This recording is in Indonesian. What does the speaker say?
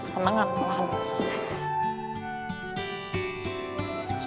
seneng lah perlahan lahan